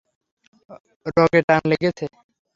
রগে টান লেগেছে।